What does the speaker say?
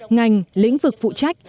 ngành lĩnh vực phụ trách